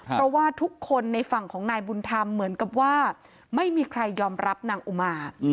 เพราะว่าทุกคนในฝั่งของนายบุญธรรมเหมือนกับว่าไม่มีใครยอมรับนางอุมา